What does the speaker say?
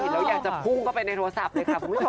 และอยากจะพุ่งเข้ากลับไปในโทรศัพท์ด้วยนะครับ